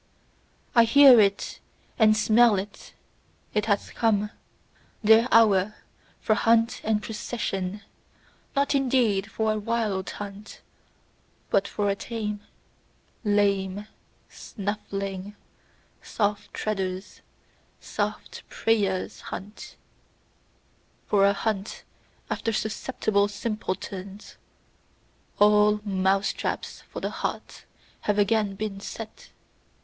I hear it and smell it: it hath come their hour for hunt and procession, not indeed for a wild hunt, but for a tame, lame, snuffling, soft treaders', soft prayers' hunt, For a hunt after susceptible simpletons: all mouse traps for the heart have again been set!